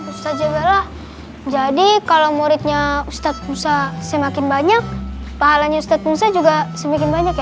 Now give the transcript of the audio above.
ustazza bella jadi kalau muridnya ustaz musa semakin banyak pahalanya ustaz musa juga semakin banyak ya